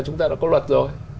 chúng ta đã có luật rồi